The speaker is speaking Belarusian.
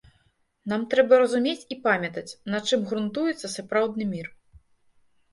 Нам трэба разумець і памятаць, на чым грунтуецца сапраўдны мір.